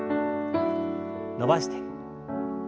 伸ばして。